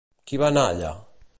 Qui va anar allà?